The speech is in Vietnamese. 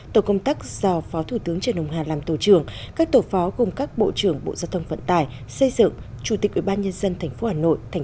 tổ công tác do phó thủ tướng trần hùng hà làm tổ trưởng các tổ phó cùng các bộ trưởng bộ giao thông phận tài xây dựng chủ tịch ủy ban nhân dân tp hcm và chín ủy viên